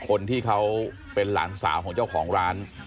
คนที่เขาเป็นหลานสาวของเจ้าของร้าน